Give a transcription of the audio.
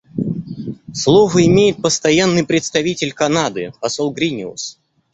Слово имеет Постоянный представитель Канады посол Гриниус.